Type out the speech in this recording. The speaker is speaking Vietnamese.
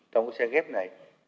tông có xe ghép này